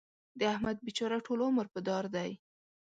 د احمد بېچاره ټول عمر په دار دی.